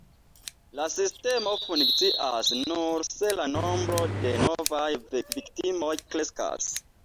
La sistemo funkcias nur se la nombro de novaj viktimoj kreskas.